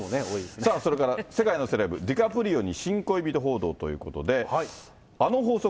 それから世界のセレブ、ディカプリオに新恋人報道ということで。